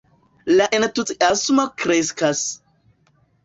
La entuziasmo kreskas.